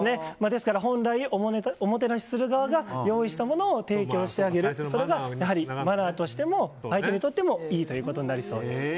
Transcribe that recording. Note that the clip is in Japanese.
ですから本来おもてなしする側が用意したものを提供してあげるそれが、マナーとしても相手にとってもいいということになりそうです。